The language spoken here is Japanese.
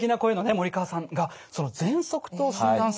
森川さんがぜんそくと診断され。